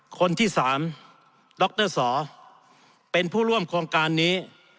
คนที่๓ดรสอเป็นผู้ร่วมโครงการนี้